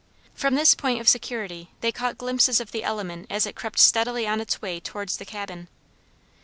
From this point of security they caught glimpses of the element as it crept steadily on its way towards the cabin.